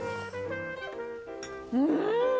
うん！